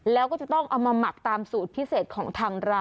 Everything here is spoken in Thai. แล้วก็จะต้องเอามาหมักตามสูตรพิเศษของทางร้าน